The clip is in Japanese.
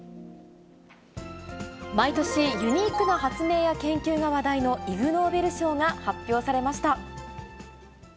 毎年、ユニークな発明や研究が話題のイグ・ノーベル賞が発表されました。